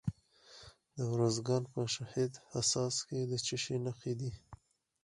د ارزګان په شهید حساس کې د څه شي نښې دي؟